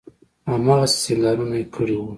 هماغسې سينګارونه يې کړي وو.